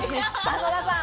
野田さん。